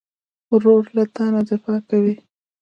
ورور له تا نه دفاع کوي.